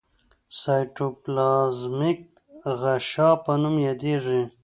سایټوپلازمیک غشا په نوم یادیږي.